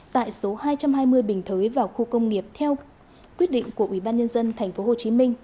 tại số hai trăm hai mươi bình thới vào khu công nghiệp theo quyết định của ủy ban nhân dân tp hcm